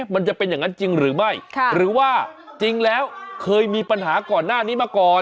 มันจะเป็นอย่างนั้นจริงหรือไม่หรือว่าจริงแล้วเคยมีปัญหาก่อนหน้านี้มาก่อน